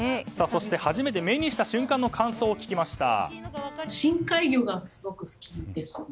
そして初めて目にした瞬間の感想を聞きました。